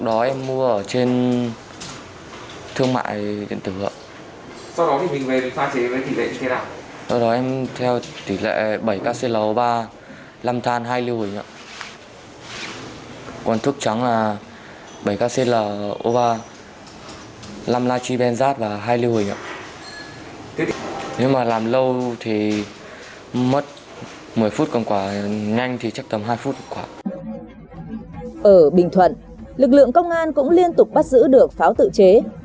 ở bình thuận lực lượng công an cũng liên tục bắt giữ được pháo tự chế